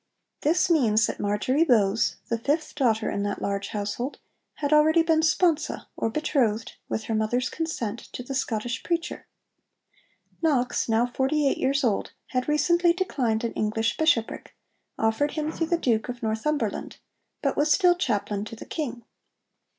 This means that Marjory Bowes, the fifth daughter in that large household, had already been sponsa or betrothed, with her mother's consent, to the Scottish preacher. Knox, now forty eight years old, had recently declined an English bishopric, offered him through the Duke of Northumberland, but was still chaplain to the King.